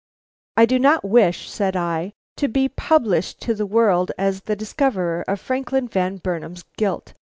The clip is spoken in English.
"I do not wish," said I, "to be published to the world as the discoverer of Franklin Van Burnam's guilt.